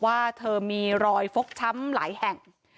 แต่เธอก็ไม่ละความพยายาม